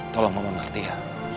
tolong mama ngerti ya